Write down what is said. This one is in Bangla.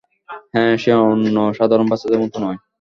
হ্যাঁ, সে অন্য সাধারণ বাচ্ছাদের মতো নয়।